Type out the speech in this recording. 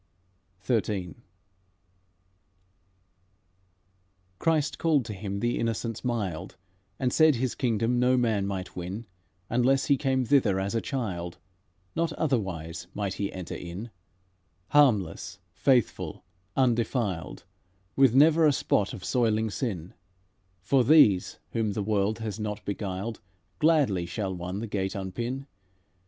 XIII "Christ called to Him the innocents mild, And said His kingdom no man might win, Unless he came thither as a child, Not otherwise might he enter in, Harmless, faithful, undefiled, With never a spot of soiling sin, For these whom the world has not beguiled Gladly shall one the gate unpin.